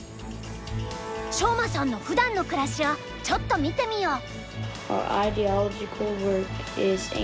翔舞さんのふだんの暮らしをちょっと見てみよう。